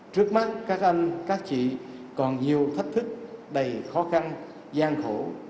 trước mắt các anh các chị còn nhiều thách thức đầy khó khăn gian khổ